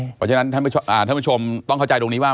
เพราะฉะนั้นท่านผู้ชมต้องเข้าใจตรงนี้ว่า